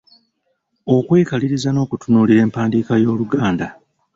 Okwekaliriza n’okutunuulira empandiika y’Oluganda.